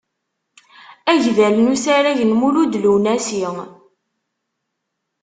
Agdal n usarag n Mulud Lunawsi.